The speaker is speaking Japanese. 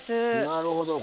なるほど。